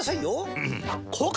うん！